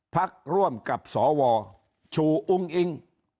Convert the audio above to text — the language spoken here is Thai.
พักร่วมกับสวชูอุ้งอิง